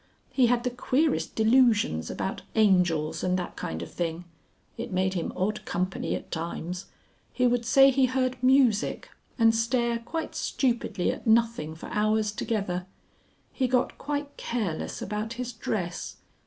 He had the queerest delusions about angels and that kind of thing. It made him odd company at times. He would say he heard music, and stare quite stupidly at nothing for hours together. He got quite careless about his dress....